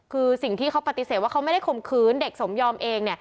คือสิ่งที่เขาปฏิเสธว่าเขาไม่ได้ข่มขืนเด็กสมยอมเอง